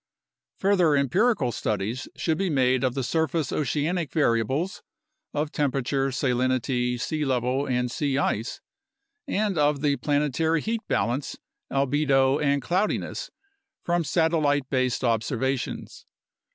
Further empirical studies should be made of the surface oceanic variables of temperature, salinity, sea level, and sea ice and of the planetary heat balance, albedo, and cloudiness from satellite based ob servations.